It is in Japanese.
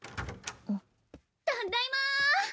たっだいま！